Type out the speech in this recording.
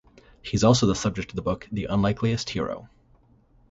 He is also the subject of the book "The Unlikeliest Hero".